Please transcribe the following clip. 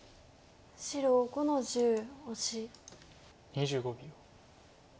２５秒。